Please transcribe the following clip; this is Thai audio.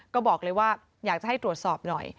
ก็บอกเลยว่าอยากจะให้ตรวจสอบหน่อย